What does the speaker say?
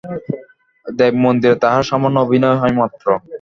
দেব-মন্দিরে তাহার সামান্য অভিনয় হয় মাত্র।